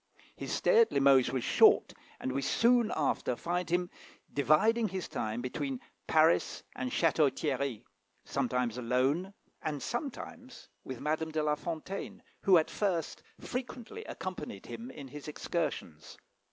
His stay at Limoges was short, and we soon after find him dividing his time between Paris and Château Thierry, sometimes alone, and sometimes with Madame de La Fontaine, who at first frequently accompanied him in his excursions.